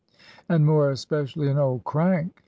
''" And more especially an old crank